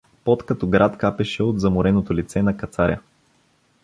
Пот като град капеше от замореното лице на кацаря.